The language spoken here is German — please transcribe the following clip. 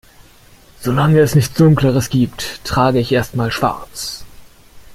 Solange es nichts Dunkleres gibt, trage ich erst mal Schwarz.